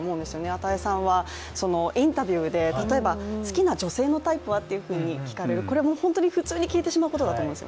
與さんはインタビューで例えば好きな女性のタイプは？って聞かれる、これは本当に普通に聞いてしまうことだと思うんです。